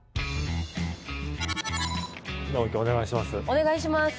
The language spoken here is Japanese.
お願いします！